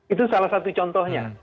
itu salah satu contohnya